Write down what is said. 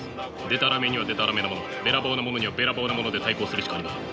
でたらめにはでたらめなものべらぼうなものにはべらぼうなもので対抗するしかありません。